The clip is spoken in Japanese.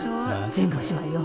全部おしまいよ。